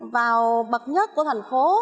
vào bậc nhất của thành phố